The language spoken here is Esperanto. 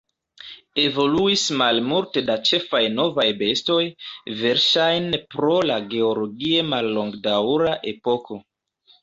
Evoluis malmulte da ĉefaj novaj bestoj, verŝajne pro la geologie mallongdaŭra epoko.